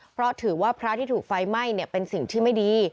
เพราะถือว่าพระที่ถูกไฟไหม้เป็นสิ่งที่ไม่ดี